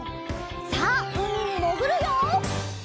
さあうみにもぐるよ！